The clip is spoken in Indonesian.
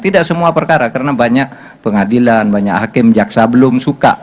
tidak semua perkara karena banyak pengadilan banyak hakim jaksa belum suka